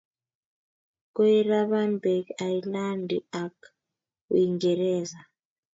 Koiraban bek Ailandi ak Uingereza.